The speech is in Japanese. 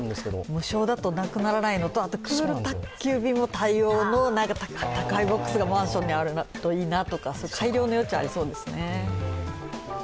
無償だとなくならないのと、宅急便も対応の宅配ボックスがマンションにあるといいなと、改良の余地はありそうですよね。